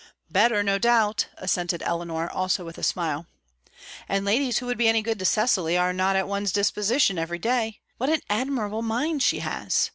"Better, no doubt," assented Eleanor, also with a smile. "And ladies who would be any good to Cecily are not at one's disposition every day. What an admirable mind she has!